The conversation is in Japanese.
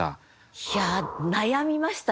いや悩みました